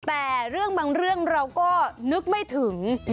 แต่เรื่องบางเรื่องเราก็นึกไม่ถึง